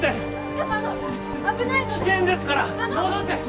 ちょっとあの危ないので危険ですから戻って！